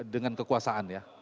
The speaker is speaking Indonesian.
dengan kekuasaan ya